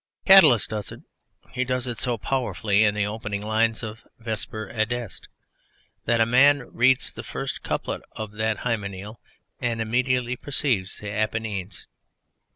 Catullus does it. He does it so powerfully in the opening lines of Vesper adest ... that a man reads the first couplet of that Hymeneal, and immediately perceives the Apennines.